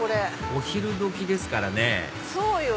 お昼時ですからねそうよ！